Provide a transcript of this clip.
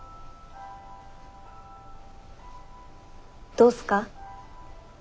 どうっすか？